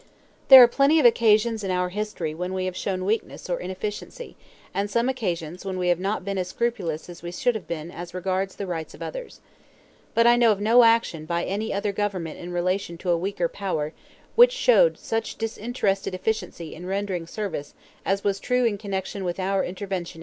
There are plenty of occasions in our history when we have shown weakness or inefficiency, and some occasions when we have not been as scrupulous as we should have been as regards the rights of others. But I know of no action by any other government in relation to a weaker power which showed such disinterested efficiency in rendering service as was true in connection with our intervention in Cuba.